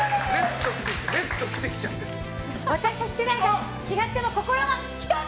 私たち、世代は違っても心は１つ！